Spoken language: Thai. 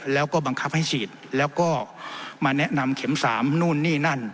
แล้วก็บังคับให้ฉีดแล้วก็มาแนะนำเข็ม๓นู่นนี่นั่น